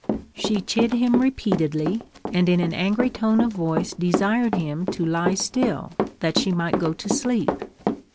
She chid him repeatedly, and in an angry tone of voice desired him to lie still, that she might go to sleep.